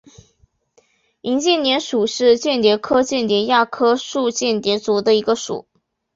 莹蚬蝶属是蚬蝶科蚬蝶亚科树蚬蝶族里的一个属。